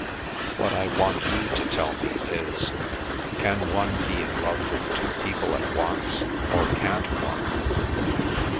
What I want you to tell me is, can one be in love with two people at once, or can't one?"